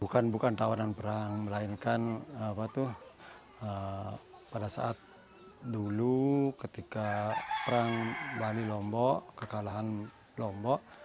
bukan bukan tawanan perang melainkan pada saat dulu ketika perang bali lombok kekalahan lombok